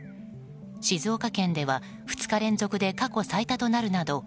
静岡県では２日連続で過去最多となるなど